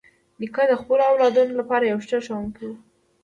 نیکه د خپلو اولادونو لپاره یو ښه ښوونکی دی.